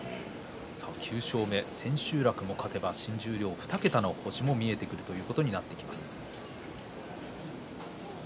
９勝目、千秋楽も勝てば新十両で２桁という星も見えてくることになります。